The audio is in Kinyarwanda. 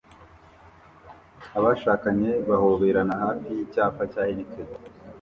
Abashakanye bahoberana hafi yicyapa cya Heineken